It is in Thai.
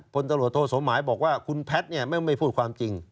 พลตำรวจโทสมหมายบอกว่าคุณแพทย์ไม่พูดความจริง